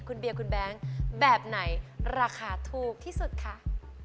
คุณเบียร์คุณแบงค์แบบไหนราคาถูกที่สุดคะ